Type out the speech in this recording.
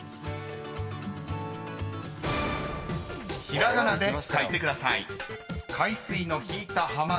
［ひらがなで書いてください］